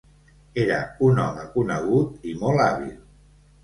Era un home conegut, i molt hàbil.